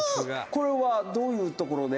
「これは、どういうところで？」